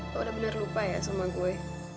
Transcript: aku udah bener lupa ya sama gue